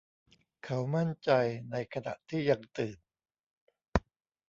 เขามั่นใจในขณะที่ยังตื่น